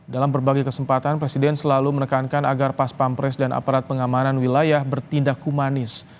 dalam berbagai kesempatan presiden selalu menekankan agar pas pampres dan aparat pengamanan wilayah bertindak humanis